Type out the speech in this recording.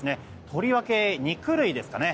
とりわけ肉類ですかね。